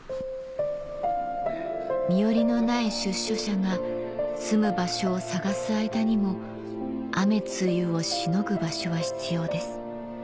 身寄りのない出所者が住む場所を探す間にも雨露をしのぐ場所は必要です